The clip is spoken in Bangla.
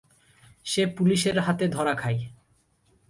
সে পুলিশের হাতে ধরা খায়।